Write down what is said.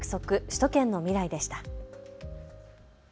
首都圏のミライでした。